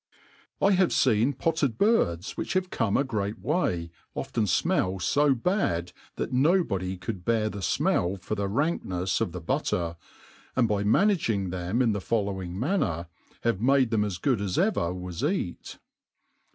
I HAVE fcen potted birds, which have come a great way, pfcen fmell fo bad, that nobody could bear the fmell for the ranknefs of the butter, and by managing them in the following inanner, have made them as good aa ever was eat.